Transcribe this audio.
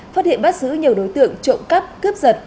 phát hiện bắt giữ nhiều đối tượng trộm cắp cướp giật